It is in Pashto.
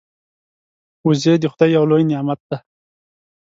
وزې د خدای یو لوی نعمت دی